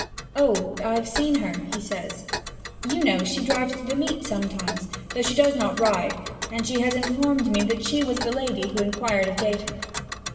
'Oh, I've seen her,' he says. 'You know, she drives to the meet sometimes, though she does not ride; and she has informed me that she was the lady who inquired of Gayton.'